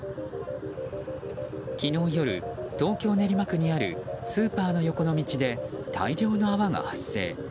昨日夜、東京・練馬区にあるスーパーの横の道で大量の泡が発生。